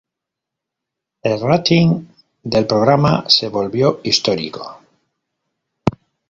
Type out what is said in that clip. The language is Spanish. El rating del programa se volvió histórico.